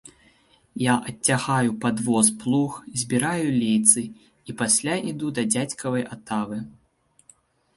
Я адцягаю пад воз плуг, збіраю лейцы і пасля іду да дзядзькавай атавы.